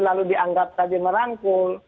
lalu dianggap tadi merangkul